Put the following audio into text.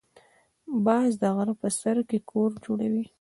باز د غره په سر کې کور جوړوي